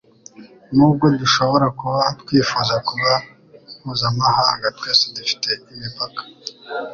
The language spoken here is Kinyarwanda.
Nubwo dushobora kuba twifuza kuba mpuzamahanga twese dufite imipaka